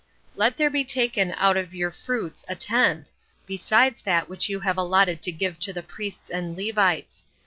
8. Let there be taken out of your fruits a tenth, besides that which you have allotted to give to the priests and Levites.